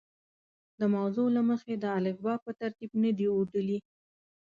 د موضوع له مخې د الفبا په ترتیب نه دي اوډلي.